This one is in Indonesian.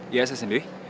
iya saya sendiri